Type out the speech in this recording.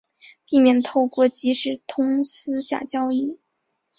避免透过即时通私下交易